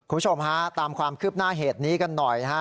คุณผู้ชมฮะตามความคืบหน้าเหตุนี้กันหน่อยฮะ